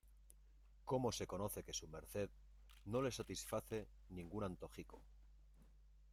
¡ cómo se conoce que su merced no le satisface ningún antojico!